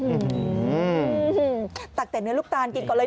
อื้อคือตักแต่เนื้อลูกตาลกินก่อนเลย